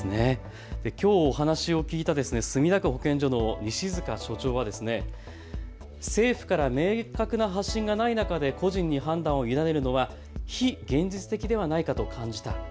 きょうお話を聞いた墨田区保健所の西塚所長は政府から明確な発信がない中で個人に判断を委ねるのは非現実的ではないかと感じた。